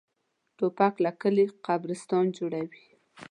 توپک له کلي قبرستان جوړوي.